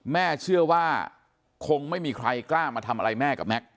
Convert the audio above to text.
แม่เชื่อว่าคงไม่มีใครกล้ามาทำอะไรแม่กับแม็กซ